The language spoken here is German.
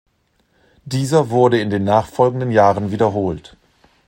Dieser wurde in den nachfolgenden Jahren wiederholt.